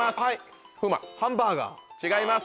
違います。